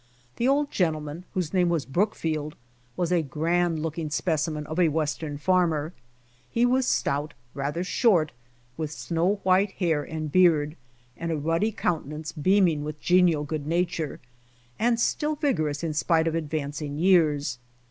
The old gentleman whose name was Brookfield, was a grand looking specimen of a Western farmer. He was stout, rather short, with snow white hair and beard, and a ruddy countenance beam<ing with genial goodsuature, and still vigorous in spite of advancing years.